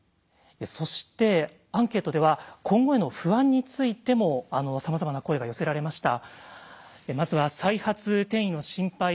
そしてアンケートでは今後への不安についてもさまざまな声が寄せられました。